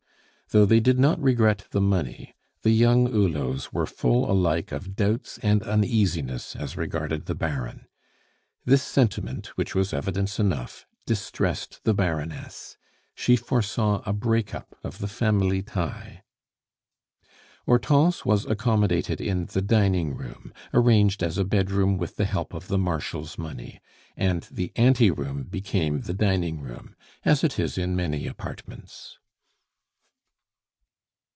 Though they did not regret the money the young Hulots were full alike of doubts and uneasiness as regarded the Baron. This sentiment, which was evidence enough, distressed the Baroness; she foresaw a break up of the family tie. Hortense was accommodated in the dining room, arranged as a bedroom with the help of the Marshal's money, and the anteroom became the dining room, as it is in many apartments.